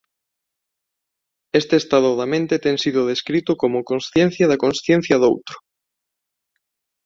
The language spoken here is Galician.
Este estado da mente ten sido descrito como "consciencia da consciencia doutro".